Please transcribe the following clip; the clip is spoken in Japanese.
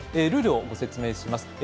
ルールをご説明します。